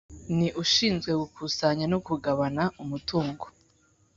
Ni ushinzwe gukusanya no kugabana umutungo